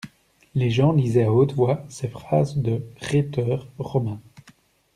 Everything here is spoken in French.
Les gens lisaient à haute voix ces phrases de rhéteurs romains.